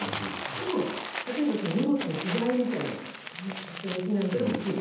でも、例えば荷物の不在みたいなのこれ、ちょっと怪しいなみたいなのも来る。